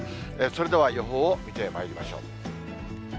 それでは予報を見てまいりましょう。